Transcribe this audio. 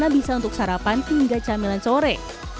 bisa untuk sarapan hingga camilan sore